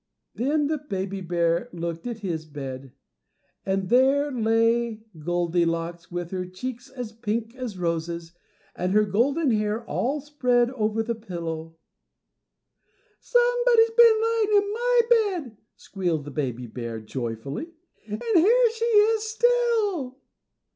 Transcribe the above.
Then the baby bear looked at his bed, and there lay little Goldilocks with her cheeks as pink as roses, and her golden hair all spread over the pillow. "Somebody's been lying in my bed," squeaked the baby bear joyfully, "_and here she is still!